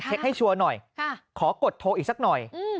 ใช่ฮะให้ชัวร์หน่อยค่ะขอกดโทรอีกสักหน่อยอืม